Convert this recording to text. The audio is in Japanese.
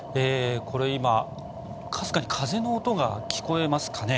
今、かすかに風の音が聞こえますかね。